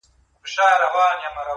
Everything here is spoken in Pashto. ورته ګوره چي عطا کوي سر خم کا-